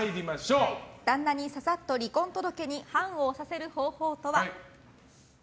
旦那にささっと離婚届に判を押させる方法とは？